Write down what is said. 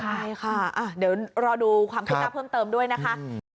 ใช่ค่ะเดี๋ยวรอดูความคืบหน้าเพิ่มเติมด้วยนะคะ